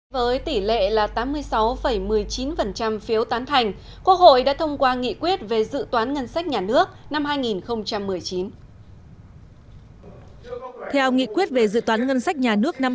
với tỷ lệ là tám mươi sáu một mươi chín phiếu tán thành quốc hội đã thông qua nghị quyết về dự toán ngân sách nhà nước năm hai nghìn một mươi chín